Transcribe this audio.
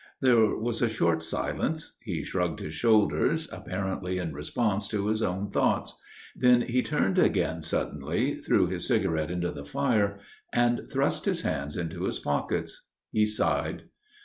There was a short silence. He shrugged his shoulders, apparently in response to his own thoughts. Then he turned again suddenly, threw his cigarette into the fire, and thrust his hands into his pockets. He sighed.